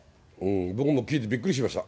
僕も聞いてびっくりしました。